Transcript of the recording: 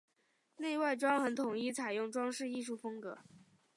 内外装潢统一采用装饰艺术风格。